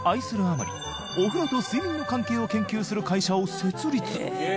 あまりお風呂と睡眠の関係を研究する会社を設立